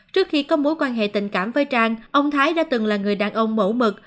trước khi có mối quan hệ tình cảm với trang ông thái đã từng là người đàn ông mẫu mực